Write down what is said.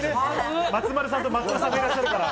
松丸さんと松尾さんがいらっしゃるから。